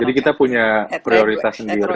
jadi kita punya prioritas sendiri